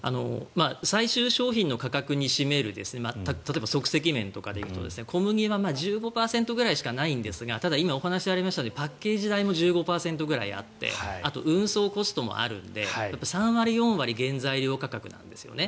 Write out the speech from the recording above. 最終商品の価格に占める例えば即席麺とかでいうと小麦は１５％ぐらいしかないんですがただ、今お話がありましたようにパッケージ代も１５％ぐらいあってあと運送コストもあるので３割４割原材料価格なんですよね。